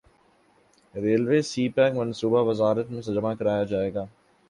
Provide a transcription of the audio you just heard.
railway CPEC منصوبہ وزارت میں جمع کرایا جائے گا